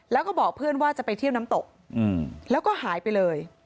แล้วก็บอกเพื่อนว่าจะไปเที่ยวน้ำตกแล้วก็หายไปเลย